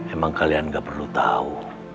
emang kalian gak perlu tahu